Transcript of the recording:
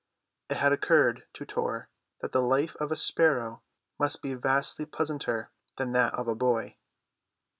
It had occurred to Tor that the life of a sparrow must be vastly pleasanter than that of a boy.